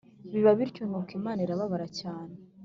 biba bityo Nuko Imana irababara cyane